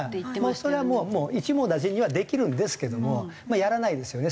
それはもう一網打尽にはできるんですけどもまあやらないですよね